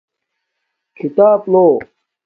کھیتاپ لو